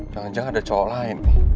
jangan jangan ada cowok lain